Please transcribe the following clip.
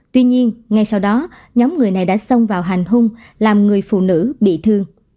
tuy nhiên ngay sau đó nhóm người này đã xông vào hành hung làm người phụ nữ bị thương